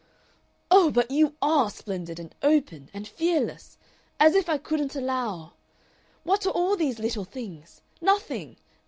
"Oh! but you ARE splendid and open and fearless! As if I couldn't allow! What are all these little things? Nothing!